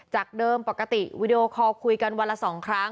จากเดิมปกติวีดีโอคอลคุยกันวันละ๒ครั้ง